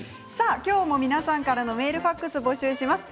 今日も皆さんからのメールファックスを募集します。